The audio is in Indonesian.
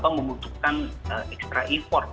membutuhkan ekstra import